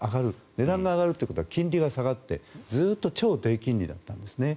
値段が上がるということは金利が下がってずっと超低金利だったんですね。